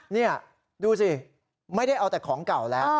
นี่ดูสิไม่ได้เอาแต่ของเก่าแล้ว